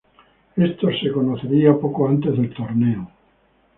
Esto se conocería poco antes del torneo.